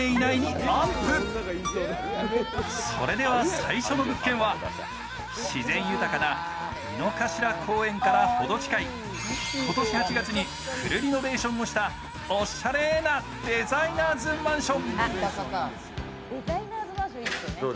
最初の物件は、自然豊かな井の頭公園から程近い、今年８月にフルリノベーションしたオシャレなデザイナーズマンション。